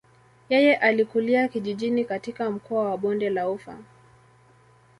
Yeye alikulia kijijini katika mkoa wa bonde la ufa.